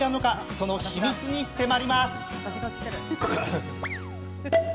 その秘密に迫ります。